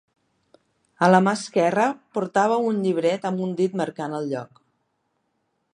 A la mà esquerra portava un llibret amb un dit marcant el lloc.